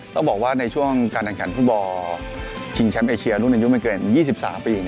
ต้องบอกว่าในช่วงการแข่งขันฟุตบอลชิงแชมป์เอเชียรุ่นอายุไม่เกิน๒๓ปี